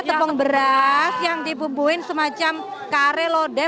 tepung beras yang dipumbuhin semacam kare lodeh